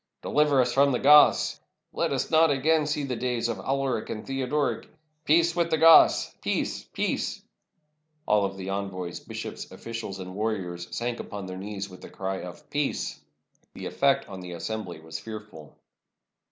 "Deliver us from the Goths!" "Let us not again see the days of Alaric and Theod oric!" "Peace with the Goths! Peace! peace!" And all the envoys, bishops, oflGicials, and warriors sank upon their knees with the cry of "Peace!" The effect upon the assembly was fearful.